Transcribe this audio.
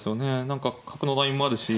何か角のラインもあるし。